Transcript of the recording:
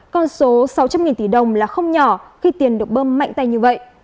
con số sáu trăm linh tỷ đồng là không nhỏ khi tiền được bơm mạnh tay như vậy